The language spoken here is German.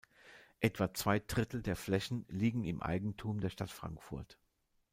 Etwa zwei Drittel der Flächen liegen im Eigentum der Stadt Frankfurt.